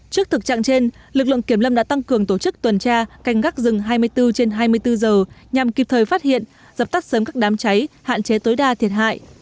trước thực trạng trên lực lượng kiểm lâm đã tăng cường tổ chức tuần tra canh gác rừng hai mươi bốn trên hai mươi bốn giờ nhằm kịp thời phát hiện dập tắt sớm các đám cháy hạn chế tối đa thiệt hại